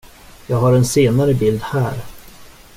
Jag har en senare bild här.